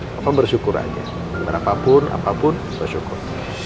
bapak bersyukur aja berapapun apapun bersyukur